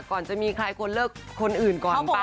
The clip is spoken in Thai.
ก่อนจะมีใครควรเลิกคนอื่นก่อนป่